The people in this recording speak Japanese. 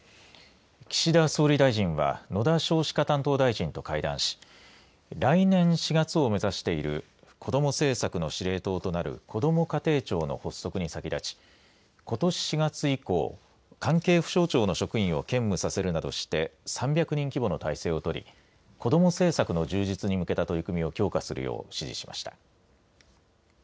岸田総理大臣は野田少子化担当大臣と会談し来年４月を目指しているこども政策の司令塔となるこども家庭庁の発足に先立ちことし４月以降関係府省庁の職員を兼務させるなどして３００人規模の体制を取り子ども政策の充実に向けた取り組みを強化するよう指示しました。